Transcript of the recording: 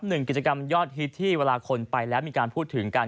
หนึ่งกิจกรรมยอดฮิตที่เวลาคนไปแล้วมีการพูดถึงกัน